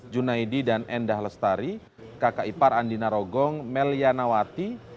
junaidi dan endah lestari kkipar andina rogong melia nawati